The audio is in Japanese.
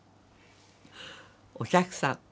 お客さん。